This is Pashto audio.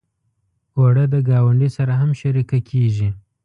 اوړه د ګاونډي سره هم شریکه کېږي